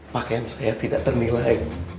pakaian saya tidak ternilai